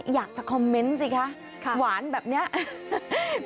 อยากจะคอมเม้นต์สิค่ะค่ะหวานแบบเนี้ยหือฮะ